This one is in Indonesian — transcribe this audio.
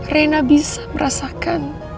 rena bisa merasakan